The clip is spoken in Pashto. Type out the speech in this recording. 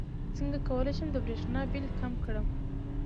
څنګه کولی شم د بریښنا بل کم کړم